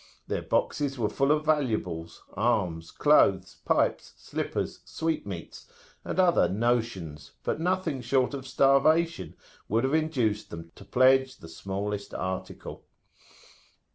Their boxes were full of valuables, arms, clothes, pipes, slippers, sweetmeats, and other "notions"; but nothing short of starvation would have induced them to pledge the smallest article.